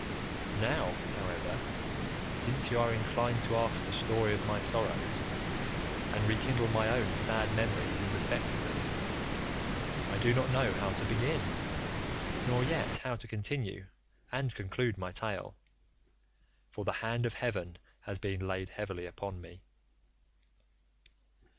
Now, however, since you are inclined to ask the story of my sorrows, and rekindle my own sad memories in respect of them, I do not know how to begin, nor yet how to continue and conclude my tale, for the hand of heaven has been laid heavily upon me.